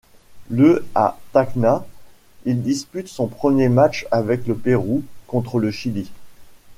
Le à Tacna, il dispute son premier match avec le Pérou, contre le Chili.